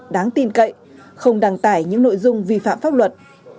đáng tin cậy không đăng tải những nội dung vi phạm pháp luật